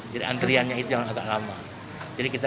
jadi antriannya itu yang agak lama